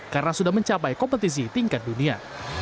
karena sudah mencapai kompetisi tingkat dunia